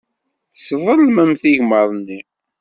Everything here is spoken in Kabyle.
Tselḍemt igmaḍ-nni.